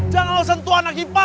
jangan lu sentuh anak ipa